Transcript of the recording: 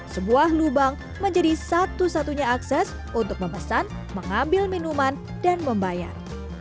sebuah lubang menjadi satu satunya akses untuk memesan mengambil minuman dan membayar